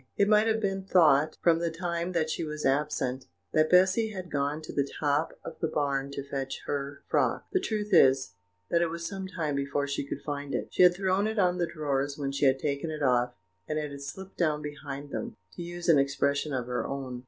It might have been thought, from the time that she was absent, that Bessy had gone to the top of the barn to fetch her frock; the truth is, that it was some time before she could find it; she had thrown it on the drawers when she had taken it off, and it had slipped down behind them, to use an expression of her own.